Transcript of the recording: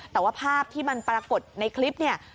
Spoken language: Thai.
แต่ว่าภาพที่มันปรากฏในคลิปเนี่ย